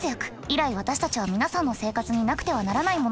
以来私たちは皆さんの生活になくてはならないものでした。